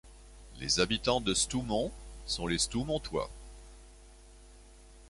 Les habitants de Stoumont sont les stoumontois.